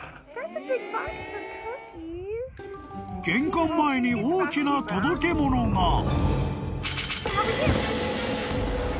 ［玄関前に大きな届け物が］